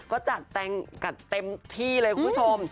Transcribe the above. ก็จัดแต่งกันเต็มที่เลยคุณผู้ชม